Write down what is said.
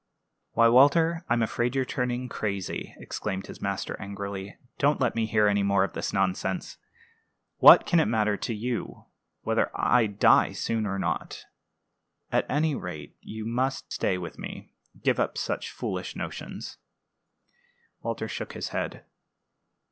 "Why, Walter, I'm afraid you're turning crazy," exclaimed his master, angrily. "Don't let me hear any more of this nonsense! What can it matter to you whether I die soon or not? At any rate you must stay with me, and give up such foolish notions." Walter shook his head.